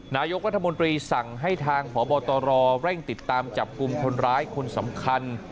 นายกรัฐมนตรีสั่งให้ทางพบตรเร่งติดตามจับกลุ่มคนร้ายคนสำคัญ